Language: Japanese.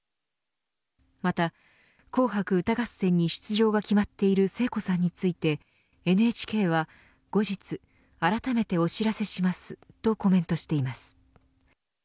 また紅白歌合戦に出場が決まっている聖子さんについてＮＨＫは後日、改めてお知らせしますとコメントしています。